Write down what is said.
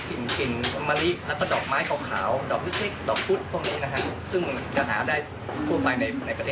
หนึ่งจะมีความรู้สึกของสายน้ำนะครับ